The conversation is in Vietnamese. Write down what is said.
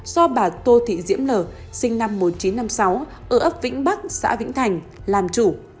do bà tô thị diễm l sinh năm một nghìn chín trăm năm mươi sáu ở ấp vĩnh bắc xã vĩnh thành làm chủ